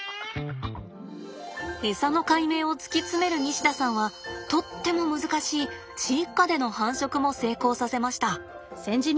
エサの解明を突き詰める西田さんはとっても難しい飼育下での繁殖も成功させました。